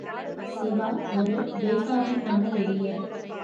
சிவா ஒரு தேசாபிமான வெறியர்.